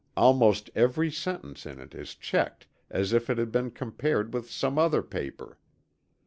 Almost every sentence in it is checked as if it had been compared with some other paper.